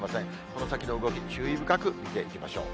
この先の動き、注意深く見ていきましょう。